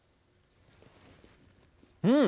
うん！